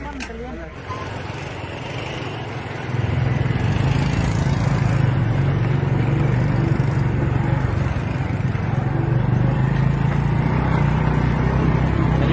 สวัสดีทุกคน